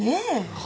はい。